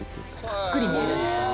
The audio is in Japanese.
ぷっくり見えるんですよね。